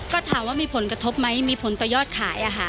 ก็ถามว่ามีผลกระทบไหมมีผลต่อยอดขาย